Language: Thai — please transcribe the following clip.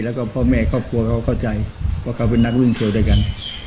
แล้วก็พ่อแม่ครอบครัวเขาเข้าใจว่าเขาเป็นนักรุ่นเก่าด้วยกัน